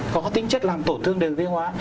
có tính chất làm tổn thương đường riêng hóa